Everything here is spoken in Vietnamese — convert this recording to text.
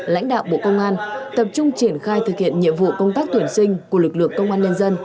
lãnh đạo bộ công an tập trung triển khai thực hiện nhiệm vụ công tác tuyển sinh của lực lượng công an nhân dân